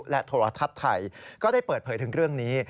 และโทรทัศน์ไทยก็ได้เปิดเผยถึงเรื่องนี้